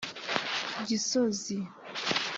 Gisozi